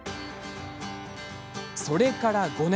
それから５年。